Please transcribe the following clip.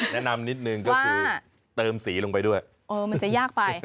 แนะนำนิดนึงก็คือเติมสีลงไปด้วยเออมันจะยากไป